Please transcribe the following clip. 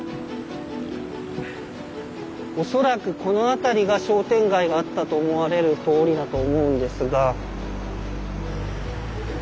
恐らくこの辺りが商店街があったと思われる通りだと思うんですが。